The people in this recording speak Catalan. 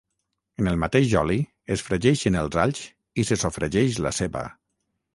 en el mateix oli, es fregeixen els alls i se sofregeix la ceba